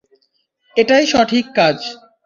এটাই সঠিক কাজ।